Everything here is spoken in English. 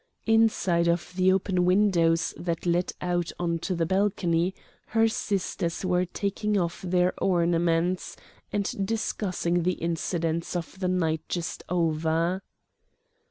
Inside of the open windows that led out on to the balcony her sisters were taking off their ornaments, and discussing the incidents of the night just over.